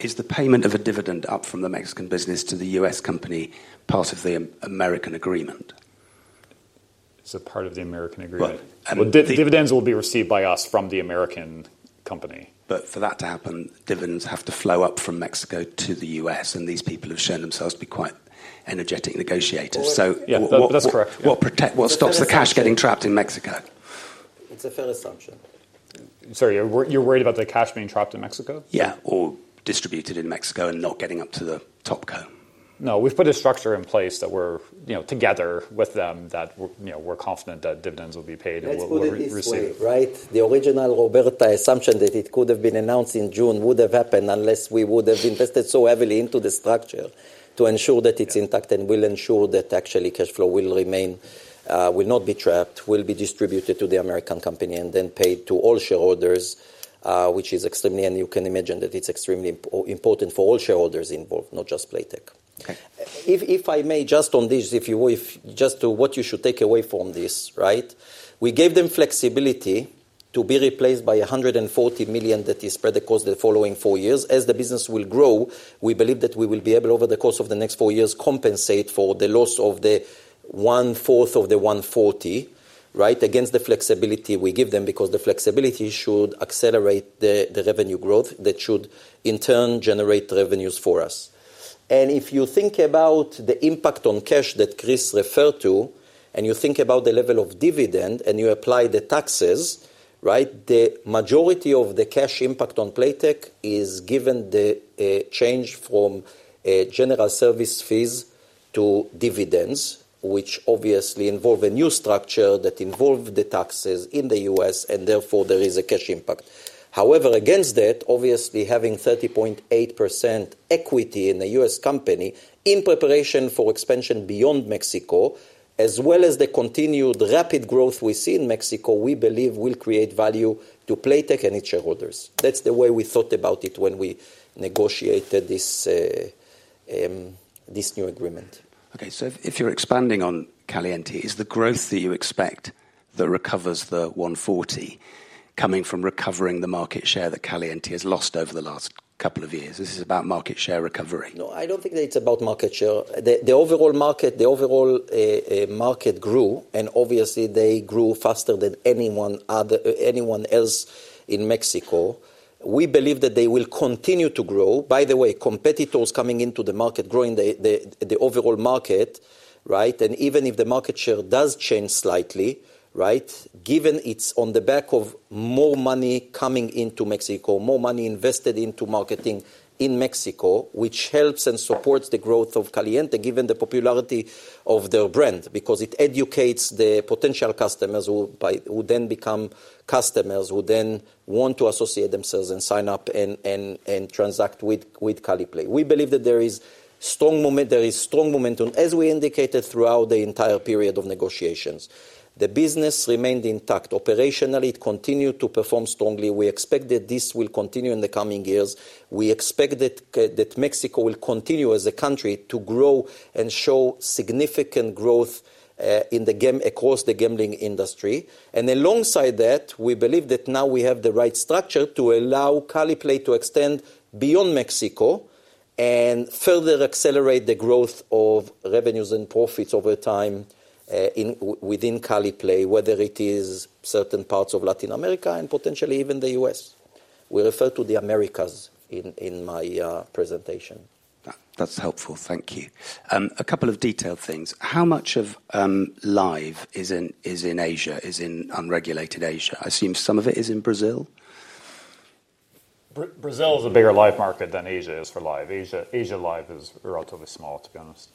Is the payment of a dividend up from the Mexican business to the US company, part of the American agreement? Is it part of the American agreement? Right, and- Dividends will be received by us from the American company. But for that to happen, dividends have to flow up from Mexico to the U.S., and these people have shown themselves to be quite energetic negotiators. So- Yeah, that, that's correct. What stops the cash getting trapped in Mexico? It's a fair assumption. Sorry, you're worried about the cash being trapped in Mexico? Yeah, or distributed in Mexico and not getting up to the Topco. No, we've put a structure in place that we're, you know, together with them, that we're, you know, we're confident that dividends will be paid, and we'll, receive. Let's put it this way, right? The original Roberta assumption that it could have been announced in June would have happened unless we would have invested so heavily into the structure to ensure that it's intact, and will ensure that actually, cash flow will remain, will not be trapped, will be distributed to the American company, and then paid to all shareholders, which is extremely important for all shareholders involved, not just Playtech. If I may, just on this, if you would, just to what you should take away from this, right? We gave them flexibility to be replaced by 140 million that is spread across the following four years. As the business will grow, we believe that we will be able, over the course of the next four years, compensate for the loss of the one-fourth of the one forty, right? Against the flexibility we give them, because the flexibility should accelerate the revenue growth, that should, in turn, generate revenues for us. And if you think about the impact on cash that Chris referred to, and you think about the level of dividend, and you apply the taxes, right? The majority of the cash impact on Playtech is given the change from general service fees to dividends, which obviously involve a new structure that involve the taxes in the U.S., and therefore, there is a cash impact. However, against that, obviously, having 30.8% equity in a US company in preparation for expansion beyond Mexico, as well as the continued rapid growth we see in Mexico, we believe will create value to Playtech and its shareholders. That's the way we thought about it when we negotiated this new agreement. Okay, so if you're expanding on Caliente, is the growth that you expect that recovers the 140, coming from recovering the market share that Caliente has lost over the last couple of years? This is about market share recovery. No, I don't think that it's about market share. The overall market grew, and obviously, they grew faster than anyone else in Mexico. We believe that they will continue to grow. By the way, competitors coming into the market, growing the overall market, right, and even if the market share does change slightly, right? Given it's on the back of more money coming into Mexico, more money invested into marketing in Mexico, which helps and supports the growth of Caliente, given the popularity of their brand, because it educates the potential customers who then become customers, who then want to associate themselves and sign up and transact with Caliplay. We believe that there is strong momentum, as we indicated throughout the entire period of negotiations. The business remained intact. Operationally, it continued to perform strongly. We expect that this will continue in the coming years. We expect that Mexico will continue as a country to grow and show significant growth across the gambling industry. And alongside that, we believe that now we have the right structure to allow Caliplay to extend beyond Mexico and further accelerate the growth of revenues and profits over time within Caliplay, whether it is certain parts of Latin America and potentially even the US. We refer to the Americas in my presentation. That's helpful. Thank you. A couple of detailed things. How much of Live is in Asia, is in unregulated Asia? I assume some of it is in Brazil. Brazil is a bigger Live market than Asia is for Live. Asia, Asia Live is relatively small, to be honest.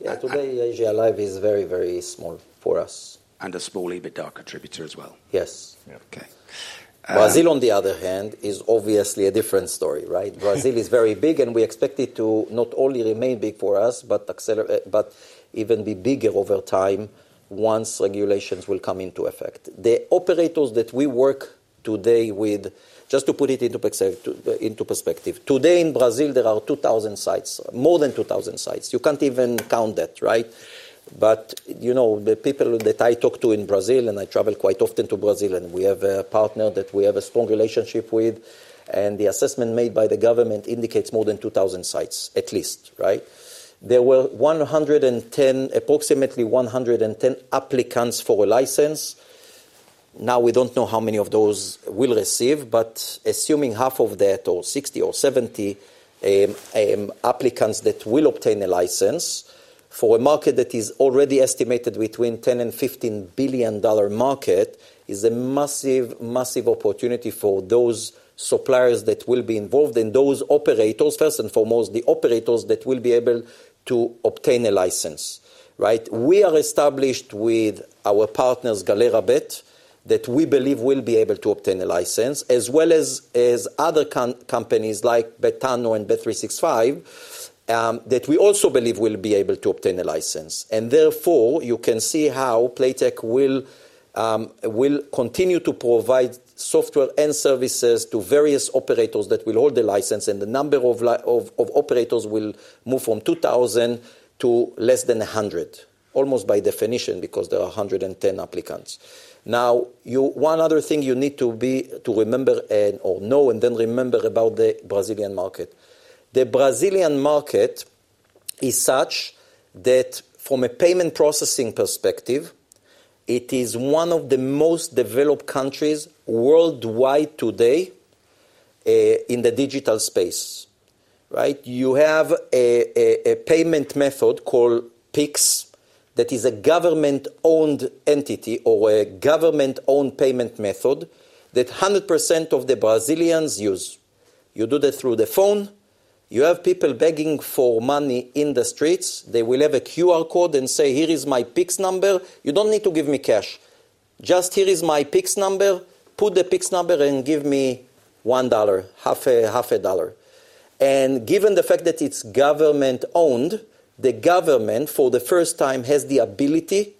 Yeah, today, Asia Live is very, very small for us. And a small, even darker contributor as well. Yes. Yeah. Okay- Brazil, on the other hand, is obviously a different story, right? Brazil is very big, and we expect it to not only remain big for us, but accelerate, but even be bigger over time once regulations will come into effect. The operators that we work today with. Just to put it into perspective, today in Brazil, there are 2,000 sites, more than 2,000 sites. You can't even count that, right? But you know, the people that I talk to in Brazil, and I travel quite often to Brazil, and we have a partner that we have a strong relationship with, and the assessment made by the government indicates more than 2,000 sites, at least, right? There were 110, approximately 110 applicants for a license. Now, we don't know how many of those will receive, but assuming half of that, or 60 or 70 applicants that will obtain a license, for a market that is already estimated between $10-$15 billion market, is a massive, massive opportunity for those suppliers that will be involved, and those operators, first and foremost, the operators that will be able to obtain a license, right? We are established with our partners, Galera Bet, that we believe will be able to obtain a license, as well as other companies like Betano and Bet365, that we also believe will be able to obtain a license. And therefore, you can see how Playtech will continue to provide software and services to various operators that will hold the license, and the number of operators will move from 2,000 to less than a hundred, almost by definition, because there are 110 applicants. Now, one other thing you need to remember or know, and then remember about the Brazilian market. The Brazilian market is such that from a payment processing perspective, it is one of the most developed countries worldwide today, in the digital space, right? You have a payment method called Pix, that is a government-owned entity or a government-owned payment method that 100% of the Brazilians use. You do that through the phone. You have people begging for money in the streets. They will have a QR code and say, "Here is my Pix number. You don't need to give me cash. Just here is my Pix number, put the Pix number and give me one dollar, half a dollar." And given the fact that it's government-owned, the government, for the first time, has the ability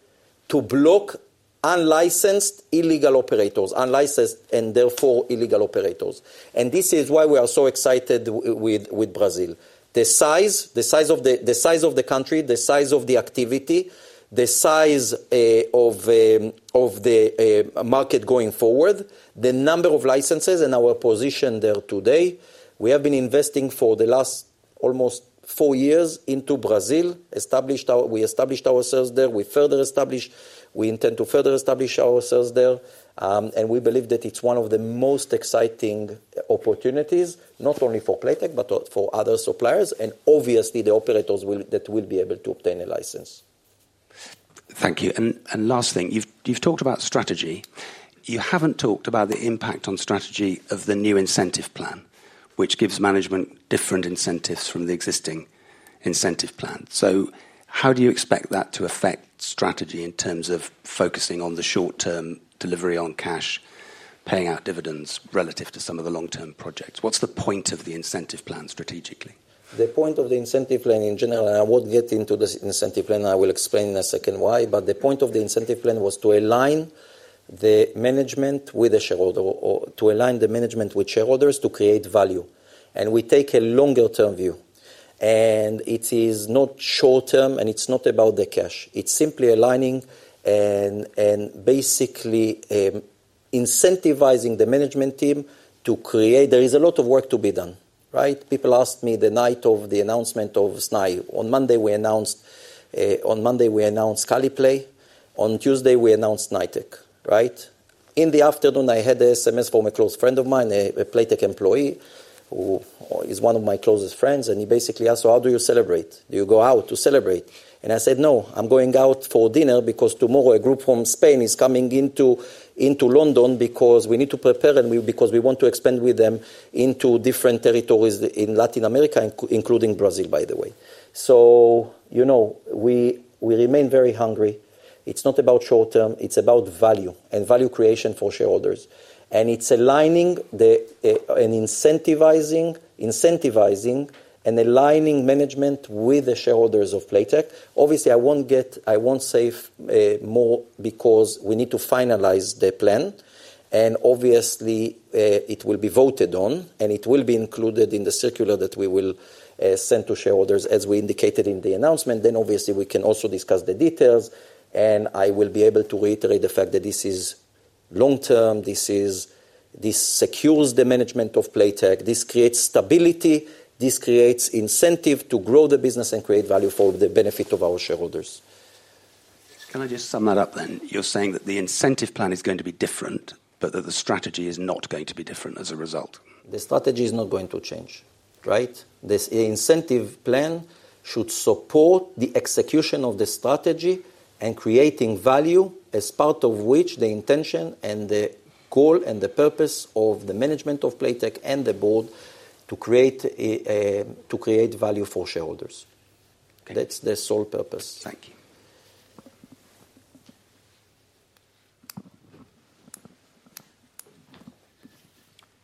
to block unlicensed illegal operators, unlicensed, and therefore illegal operators. And this is why we are so excited with Brazil. The size of the country, the size of the activity, the size of the market going forward, the number of licenses and our position there today, we have been investing for the last almost four years into Brazil. We established ourselves there. We further established... We intend to further establish ourselves there, and we believe that it's one of the most exciting opportunities, not only for Playtech, but also for other suppliers, and obviously, the operators that will be able to obtain a license. Thank you. And last thing, you've talked about strategy. You haven't talked about the impact on strategy of the new incentive plan, which gives management different incentives from the existing incentive plan. So how do you expect that to affect strategy in terms of focusing on the short-term delivery on cash, paying out dividends relative to some of the long-term projects? What's the point of the incentive plan strategically? The point of the incentive plan in general, and I won't get into the incentive plan, I will explain in a second why, but the point of the incentive plan was to align the management with the shareholder or to align the management with shareholders to create value. And we take a longer-term view, and it is not short-term, and it's not about the cash. It's simply aligning and basically incentivizing the management team to create value. There is a lot of work to be done, right? People ask me the night of the announcement of Snaitech. On Monday, we announced Caliplay. On Tuesday, we announced Snaitech, right? In the afternoon, I had an SMS from a close friend of mine, a Playtech employee, who is one of my closest friends, and he basically asked: "So how do you celebrate? Do you go out to celebrate?" And I said, "No, I'm going out for dinner because tomorrow, a group from Spain is coming into London because we need to prepare and because we want to expand with them into different territories in Latin America, including Brazil, by the way." So, you know, we remain very hungry. It's not about short-term, it's about value and value creation for shareholders. And it's aligning the and incentivizing and aligning management with the shareholders of Playtech. Obviously, I won't say more because we need to finalize the plan, and obviously, it will be voted on, and it will be included in the circular that we will send to shareholders, as we indicated in the announcement. Then obviously, we can also discuss the details, and I will be able to reiterate the fact that this is long-term, this is, this secures the management of Playtech, this creates stability, this creates incentive to grow the business and create value for the benefit of our shareholders. Can I just sum that up, then? You're saying that the incentive plan is going to be different, but that the strategy is not going to be different as a result. The strategy is not going to change, right? The incentive plan should support the execution of the strategy and creating value, as part of which the intention and the goal, and the purpose of the management of Playtech and the board to create a, to create value for shareholders. Okay. That's the sole purpose. Thank you.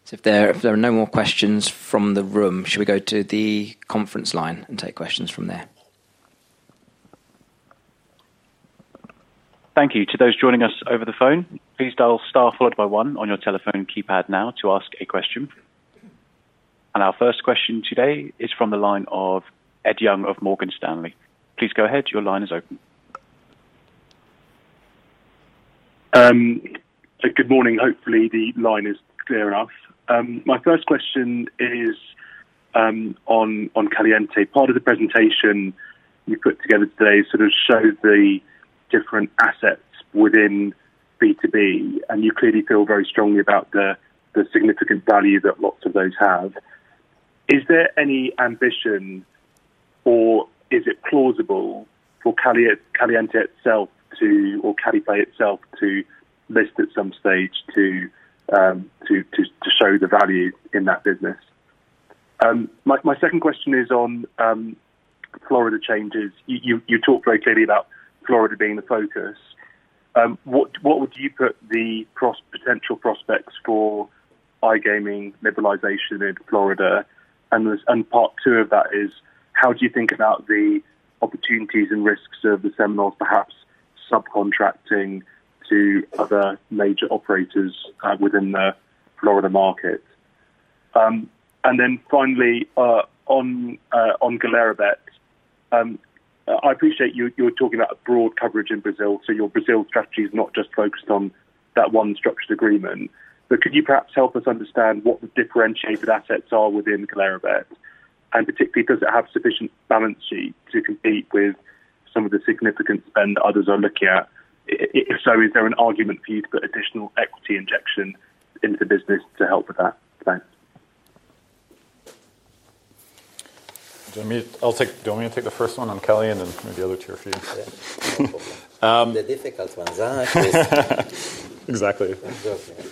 So if there are no more questions from the room, should we go to the conference line and take questions from there? Thank you. To those joining us over the phone, please dial star followed by one on your telephone keypad now to ask a question. And our first question today is from the line of Ed Young of Morgan Stanley. Please go ahead, your line is open. Good morning. Hopefully, the line is clear enough. My first question is on Caliente. Part of the presentation you put together today sort of showed the different assets within B2B, and you clearly feel very strongly about the significant value that lots of those have. Is there any ambition, or is it plausible for Caliente itself to, or Caliplay itself to list at some stage to show the value in that business? My second question is on Florida changes. You talked very clearly about Florida being the focus. What would you put the potential prospects for iGaming liberalization in Florida? And part two of that is: How do you think about the opportunities and risks of the Seminoles, perhaps subcontracting to other major operators within the Florida market? Then finally, on Galera Bet, I appreciate you, you're talking about a broad coverage in Brazil, so your Brazil strategy is not just focused on that one structured agreement. But could you perhaps help us understand what the differentiated assets are within Galera Bet? And particularly, does it have sufficient balance sheet to compete with some of the significant spend that others are looking at? If so, is there an argument for you to put additional equity injection into the business to help with that? Thanks. Do you want me to take the first one on Cali, and then maybe the other two are for you? Yeah, no problem. Um. The difficult ones, huh? Exactly.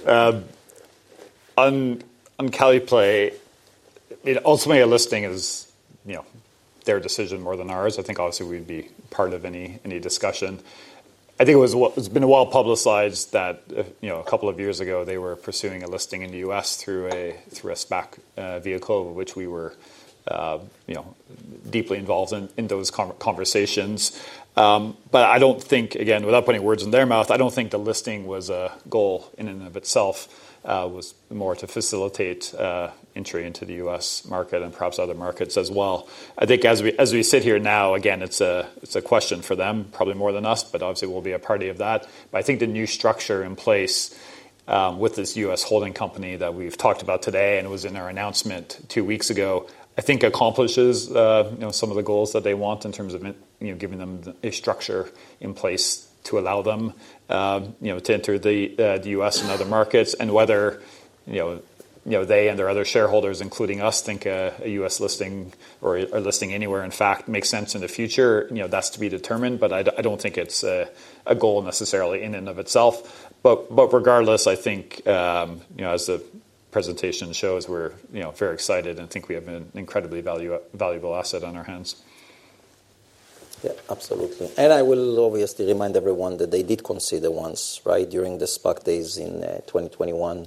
Okay. On Caliplay, it ultimately a listing is, you know, their decision more than ours. I think obviously we'd be part of any discussion. I think it was, it's been well-publicized that, you know, a couple of years ago, they were pursuing a listing in the U.S. through a SPAC vehicle, which we were, you know, deeply involved in, in those conversations. But I don't think, again, without putting words in their mouth, I don't think the listing was a goal in and of itself, was more to facilitate entry into the U.S. market and perhaps other markets as well. I think as we sit here now, again, it's a question for them, probably more than us, but obviously, we'll be a party to that. But I think the new structure in place with this U.S. holding company that we've talked about today, and it was in our announcement two weeks ago, I think accomplishes, you know, some of the goals that they want in terms of it, you know, giving them a structure in place to allow them, you know, to enter the U.S. and other markets, and whether, you know, they and their other shareholders, including us, think a U.S. listing or a listing anywhere, in fact, makes sense in the future, you know, that's to be determined, but I don't think it's a goal necessarily in and of itself. But regardless, I think, you know, as the presentation shows, we're, you know, very excited and think we have an incredibly valuable asset on our hands. Yeah, absolutely, and I will obviously remind everyone that they did consider once, right? During the SPAC days in twenty twenty-one.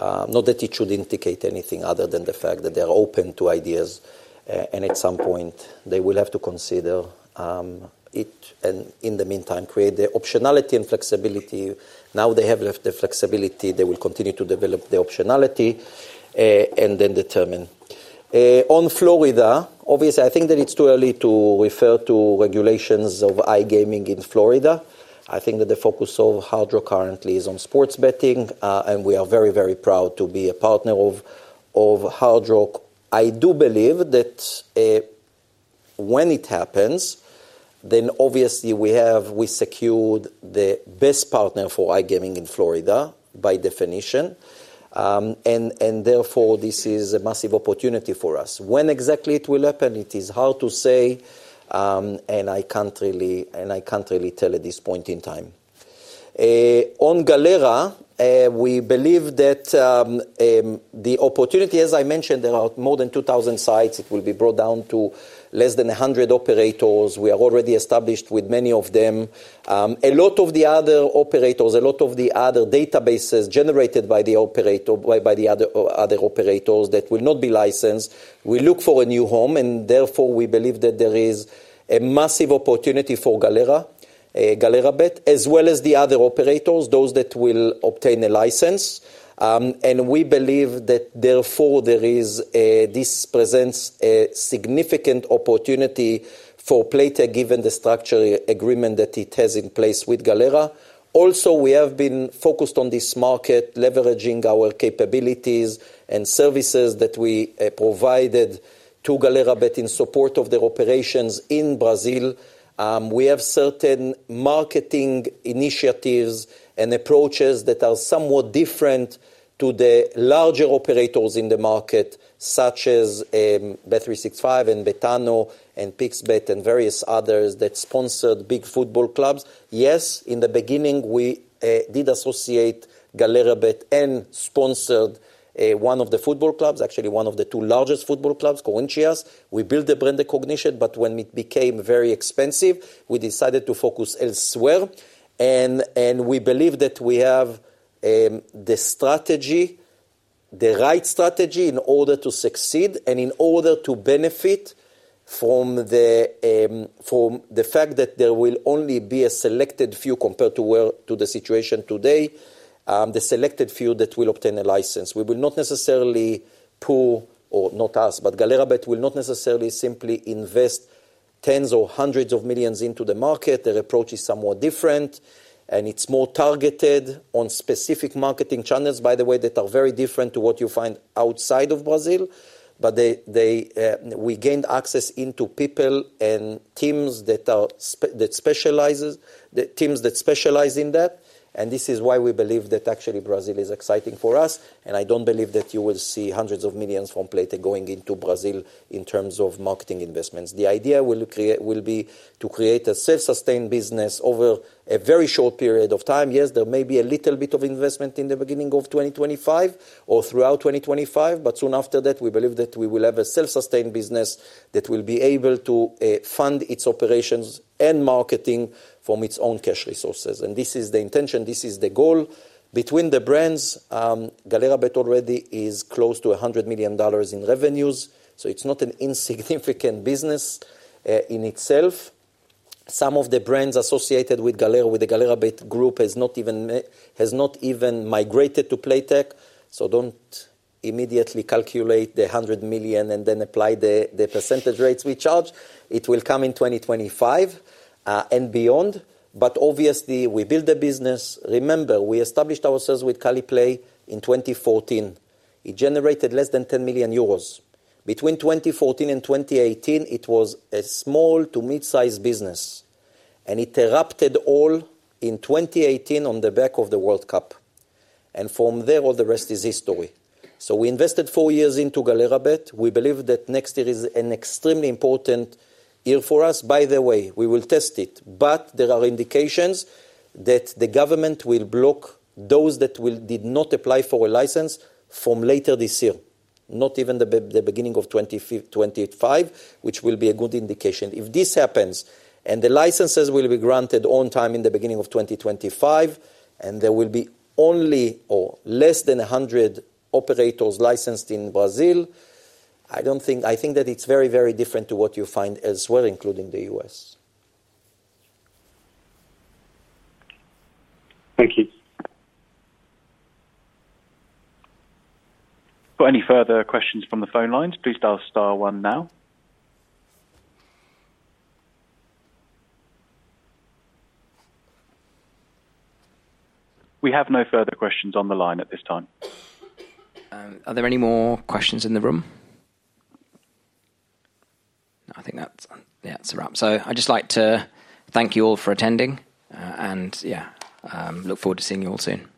Not that it should indicate anything other than the fact that they are open to ideas, and at some point, they will have to consider it, and in the meantime, create the optionality and flexibility. Now, they have left the flexibility. They will continue to develop the optionality, and then determine. On Florida, obviously, I think that it's too early to refer to regulations of iGaming in Florida. I think that the focus of Hard Rock currently is on sports betting, and we are very, very proud to be a partner of Hard Rock. I do believe that, when it happens, then obviously we have secured the best partner for iGaming in Florida, by definition. Therefore, this is a massive opportunity for us. When exactly it will happen, it is hard to say, and I can't really tell at this point in time. On Galera, we believe that the opportunity, as I mentioned, there are more than 2,000 sites. It will be brought down to less than 100 operators. We are already established with many of them. A lot of the other operators, a lot of the other databases generated by the operator, by the other operators that will not be licensed, will look for a new home, and therefore, we believe that there is a massive opportunity for Galera, Galera Bet, as well as the other operators, those that will obtain a license. And we believe that, therefore, this presents a significant opportunity for Playtech, given the structural agreement that it has in place with Galera. Also, we have been focused on this market, leveraging our capabilities and services that we provided to Galera, but in support of their operations in Brazil. We have certain marketing initiatives and approaches that are somewhat different to the larger operators in the market, such as Bet365 and Betano and Pixbet, and various others that sponsored big football clubs. Yes, in the beginning, we did associate Galera Bet and sponsored one of the football clubs, actually, one of the two largest football clubs, Corinthians. We built the brand recognition, but when it became very expensive, we decided to focus elsewhere. We believe that we have the strategy, the right strategy in order to succeed and in order to benefit from the fact that there will only be a selected few, compared to well, to the situation today, the selected few that will obtain a license. We will not necessarily pour, or not us, but Galera Bet will not necessarily simply invest tens or hundreds of millions into the market. Their approach is somewhat different, and it's more targeted on specific marketing channels, by the way, that are very different to what you find outside of Brazil. But we gained access into people and teams that specialize, the teams that specialize in that, and this is why we believe that actually Brazil is exciting for us, and I don't believe that you will see hundreds of millions from Playtech going into Brazil in terms of marketing investments. The idea will be to create a self-sustained business over a very short period of time. Yes, there may be a little bit of investment in the beginning of twenty twenty-five or throughout twenty twenty-five, but soon after that, we believe that we will have a self-sustained business that will be able to fund its operations and marketing from its own cash resources. And this is the intention, this is the goal. Between the brands, Galera Bet already is close to $100 million in revenues, so it's not an insignificant business in itself. Some of the brands associated with Galera, with the Galera Bet group, has not even migrated to Playtech, so don't immediately calculate the $100 million and then apply the percentage rates we charge. It will come in 2025 and beyond. But obviously, we build the business. Remember, we established ourselves with Caliplay in 2014. It generated less than 10 million euros. Between 2014 and 2018, it was a small to mid-size business, and it erupted all in 2018 on the back of the World Cup, and from there, all the rest is history. So we invested four years into Galera Bet. We believe that next year is an extremely important year for us. By the way, we will test it, but there are indications that the government will block those that did not apply for a license from later this year, not even the beginning of twenty-five, which will be a good indication. If this happens, and the licenses will be granted on time in the beginning of twenty twenty-five, and there will be only or less than 100 operators licensed in Brazil, I don't think... I think that it's very, very different to what you find as well, including the US. Thank you. For any further questions from the phone lines, please dial star one now. We have no further questions on the line at this time. Are there any more questions in the room? I think that's, yeah, it's a wrap. So I'd just like to thank you all for attending, and yeah, look forward to seeing you all soon.